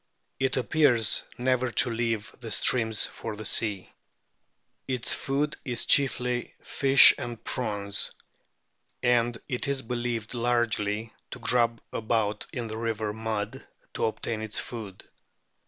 It appears never to leave the streams for the sea. Its food is chiefly fish and prawns, and it is believed largely to grub about in the river mud to obtain its food.